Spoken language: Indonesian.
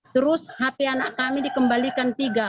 terus hp anak kami dikembalikan tiga